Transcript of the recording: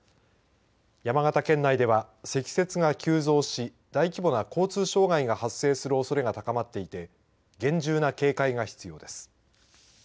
山形県内では積雪が急増し大規模な交通障害が発生するおそれが高まっていて厳重な警戒が必要です。